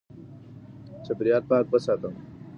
چاپېريال پاک وساته